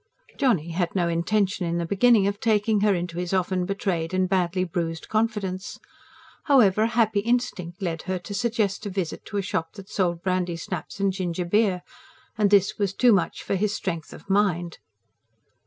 Johnny had no intention, in the beginning, of taking her into his often betrayed and badly bruised confidence. However a happy instinct led her to suggest a visit to a shop that sold brandy snaps and gingerbeer; and this was too much for his strength of mind.